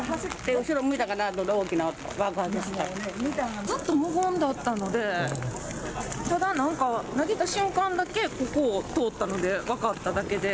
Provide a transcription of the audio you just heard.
後ろ見たら大きな音、爆発したずっと無言だったので、ただなんか投げた瞬間だけここを通ったので分かっただけで。